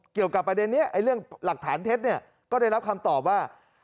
เกี่ยวกับประเด็นนี้เรื่องหลักฐานเท็จเนี่ยก็ได้รับคำตอบว่า